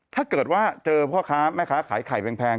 ถ้าเกิดว่าเจอพ่อค้าแม่ค้าขายไข่แพง